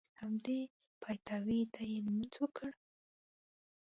همدې پیتاوي ته یې لمونځ وکړ.